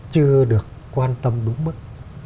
chưa được quan tâm đúng mức